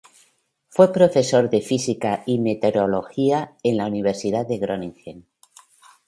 Fue profesor de Física y Meteorología en la Universidad de Groningen.